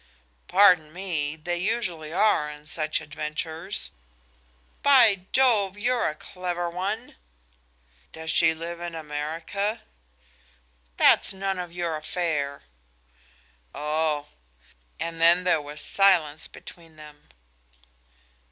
"Pardon me! They usually are in such adventures." "By Jove, you're a clever one!" "Does she live in America?" "That's none of your affair." "Oh!" and then there was silence between them.